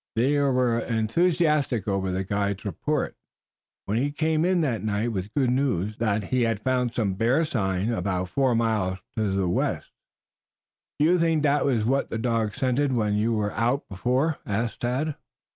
They were enthusiastic over the guide's report when he came in that night with the good news that he had found some "bear sign" about four miles to the west. "Do you think that was what the dogs scented when you were out before?" asked Tad.